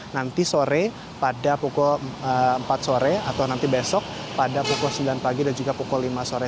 nanti sore pada pukul empat sore atau nanti besok pada pukul sembilan pagi dan juga pukul lima sore